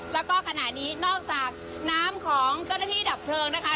แล้วก็ขณะนี้นอกจากน้ำของเจ้าหน้าที่ดับเพลิงนะคะ